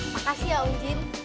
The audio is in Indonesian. makasih ya om jun